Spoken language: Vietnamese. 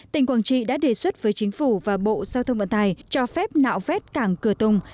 tỉnh quảng trị đã đề xuất với chính phủ và bộ giao thông vận tài cho phép nạo vét cảng cửa tùng